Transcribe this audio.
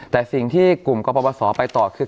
แต่สิ่งที่กลุ่มก็เปาวาสอไปต่อคือ